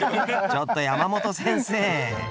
ちょっと山本先生。